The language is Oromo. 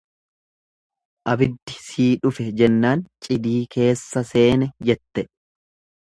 Abiddi sii dhufe jennaan cidii keessa seene jette.